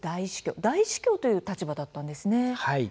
大主教という立場だったんですね。